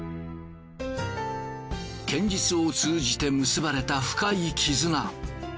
剣術を通じて結ばれた深い絆。